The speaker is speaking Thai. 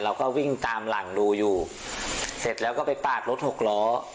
เราก็วิ่งตามหลังดูอยู่เสร็จแล้วก็ไปปาดรถหกล้อ